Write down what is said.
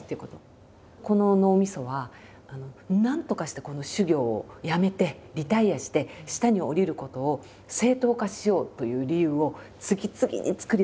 この脳みそはなんとかしてこの修行をやめてリタイアして下に下りることを正当化しようという理由を次々に作り出すんですよ。